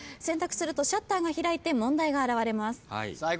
選択するとシャッターが開いて問題が現れます。